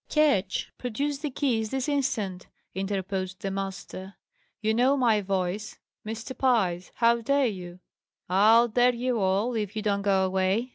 "Ketch, produce the keys this instant!" interposed the master. "You know my voice; Mr. Pye's. How dare you?" "I'll 'dare' you all, if you don't go away!"